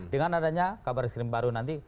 dengan adanya kabar eskrim baru nanti